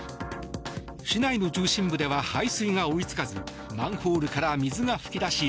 市内の中心部では排水が追い付かずマンホールから水が噴き出し